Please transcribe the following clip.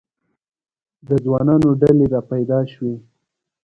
د ځوانانو ډلې را پیدا شوې.